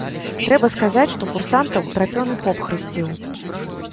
Трэба сказаць, што курсанта ўтрапёны поп хрысціў.